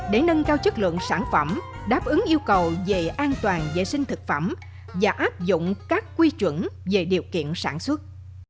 để nâng cao chất lượng sản phẩm đáp ứng yêu cầu về an toàn vệ sinh thực phẩm và áp dụng các quy chuẩn về điều kiện sản xuất